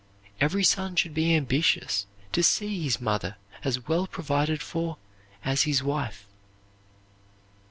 Every son should be ambitious to see his mother as well provided for as his wife.